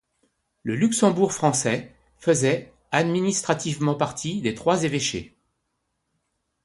Le Luxembourg français faisait administrativement partie des Trois-Évêchés.